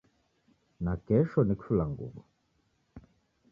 Nakesho ni kifulanguw'o